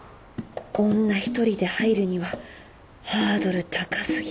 女一人で入るにはハードル高すぎ